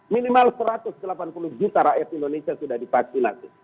minimal satu ratus delapan puluh juta rakyat indonesia sudah divaksinasi